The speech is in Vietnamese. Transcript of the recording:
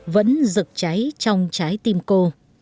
vẫn rực cháy trong trái tim cô